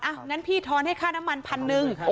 งั้นพี่ทอนให้ค่าน้ำมันพันหนึ่ง